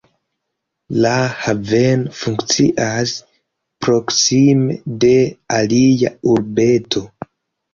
La haveno funkcias proksime de alia urbeto.